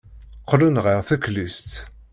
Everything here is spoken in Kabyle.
Qqlen ɣer teklizt.